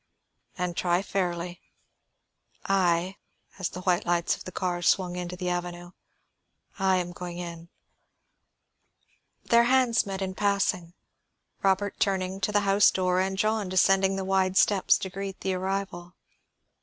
"And try fairly. I," as the white lights of the car swung into the avenue, "I am going in." Their hands met in passing, Robert turning to the house door and John descending the wide steps to greet the arrival.